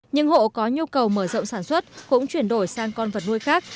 những hộ có nhu cầu mở rộng sản xuất cũng chuyển đổi sang con vật nuôi khác